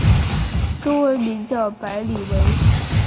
中文名叫白理惟。